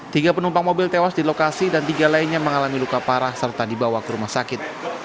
tiga penumpang mobil tewas di lokasi dan tiga lainnya mengalami luka parah serta dibawa ke rumah sakit